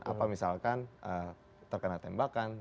apa misalkan terkena tembakan